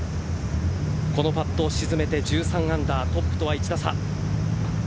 このパットを沈めて１３アンダーはトップとは１打差。